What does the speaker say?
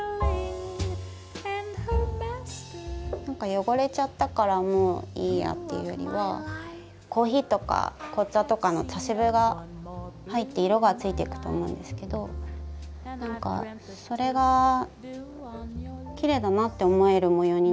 汚れちゃったからもういいやというよりはコーヒーとか紅茶とかの茶渋が入って色がついていくと思うんですけど何かそれがきれいだなって思える模様になるといいなって思います。